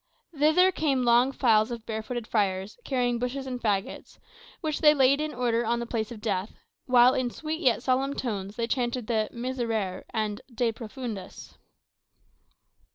Thither came long files of barefooted friars, carrying bushes and faggots, which they laid in order on the place of death, while, in sweet yet solemn tones, they chanted the "Miserere" and "De Profundis."